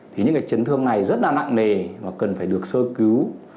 thì những chấn thương này rất là nặng nề và cần phải được sơ cứu